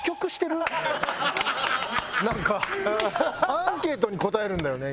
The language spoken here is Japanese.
なんかアンケートに答えるんだよね？